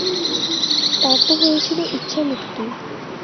তাঁর তো হয়েছিল ইচ্ছামৃত্যু।